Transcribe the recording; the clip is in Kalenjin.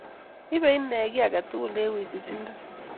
Ibe ine kie tugul eng wisisindo